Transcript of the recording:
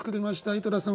井戸田さん